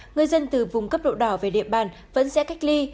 người dân từ vùng cấp độ đỏ về địa bàn vẫn sẽ cách ly